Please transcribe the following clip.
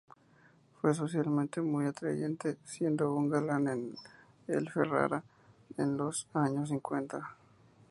Fue socialmente muy atrayente siendo un galán en el Ferrara en los años cincuenta.